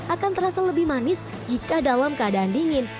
akan terasa lebih manis jika dalam keadaan dingin